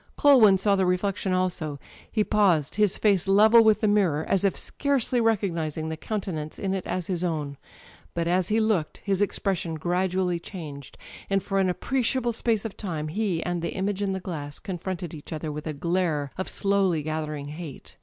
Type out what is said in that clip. Culwin saw the reflection also. He paused, his face level with the mirror, as if scarcely recognising the coun tenance in it as his own. But as he looked his expression gradually changed, and for an appreciable space of time he and the image in the glass confronted each other with a glare of slowly^thering^ate.